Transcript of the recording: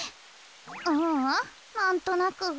ううんなんとなく。